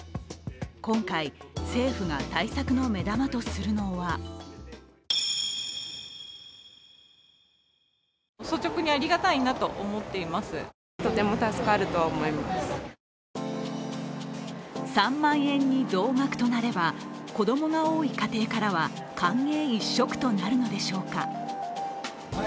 今回、政府が対策の目玉とするのは３万円に増額となれば子供が多い家庭からは歓迎一色となるのでしょうか。